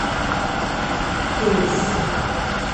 Urss